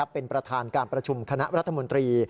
เป็นประธานการประชุมคณะรัฐมนตรี